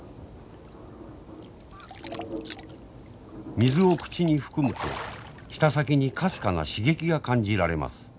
水を口に含むと舌先にかすかな刺激が感じられます。